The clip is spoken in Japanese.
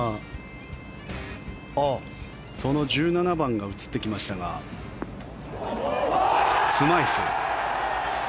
その１７番が映ってきましたがスマイス。